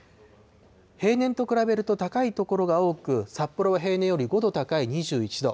平年と比べると高い所が多く、札幌が平年より５度高い２１度。